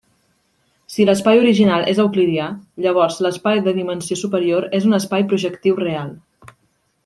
Si l'espai original és euclidià, llavors l'espai de dimensió superior és un espai projectiu real.